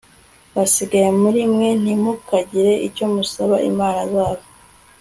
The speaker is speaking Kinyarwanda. basigaye muri mwe, ntimukagire icyo musaba imana zabo